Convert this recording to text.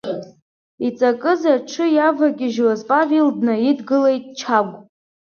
Иҵакыз аҽы иавагьежьуаз Павел днаидгылеит Чагә.